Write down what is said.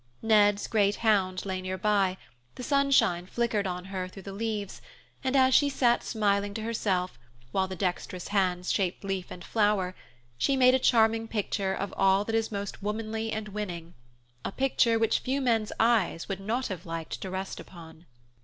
Ned's great hound lay nearby, the sunshine flickered on her through the leaves, and as she sat smiling to herself, while the dexterous hands shaped leaf and flower, she made a charming picture of all that is most womanly and winning; a picture which few men's eyes would not have liked to rest upon.